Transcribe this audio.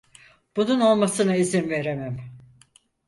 Bunun olmasına izin veremem.